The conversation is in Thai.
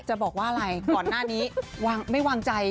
จะบอกว่าอะไรก่อนหน้านี้ไม่วางใจ